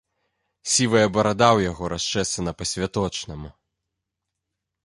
Сівая барада ў яго расчэсана па-святочнаму.